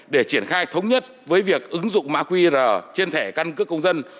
để triển khai thống nhất với việc ứng dụng mã qr trên thẻ căn cước công dân